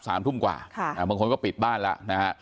สามทุ่มกว่าค่ะอ่าบางคนก็ปิดบ้านแล้วนะฮะ